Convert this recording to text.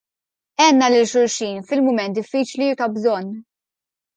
Għenna lil xulxin fil-mument diffiċli u ta' bżonn.